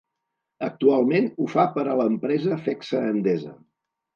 Actualment ho fa per a l'empresa Fecsa-Endesa.